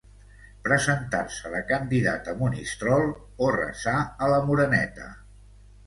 presentar-se de candidat a Monistrol o resar a la Moreneta